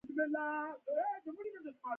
حال دا چې سلطان احمد خان د امیر کاکا زوی نه وو.